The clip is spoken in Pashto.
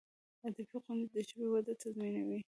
ادبي غونډي د ژبي وده تضمینوي.